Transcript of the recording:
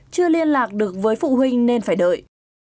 chưa liên lạc được với phụ huynh nên phải đợi